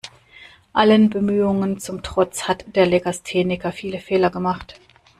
Allen Bemühungen zum Trotz hat der Legastheniker viele Fehler gemacht.